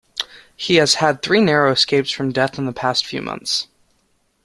He has had three narrow escapes from death in the past few months.